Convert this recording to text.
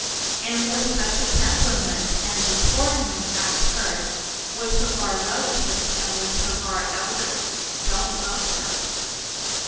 And with such a temperament and deportment as hers, which of our relatives and which of our elders don't love her?'